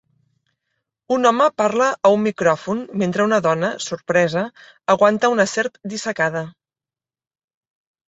Un home parla a un micròfon mentre una dona, sorpresa, aguanta una serp dissecada.